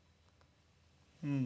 うん」。